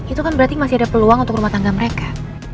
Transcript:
itu kan berarti masih ada peluang untuk rumah tangga mereka